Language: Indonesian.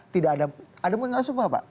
tidak ada munasnub apa pak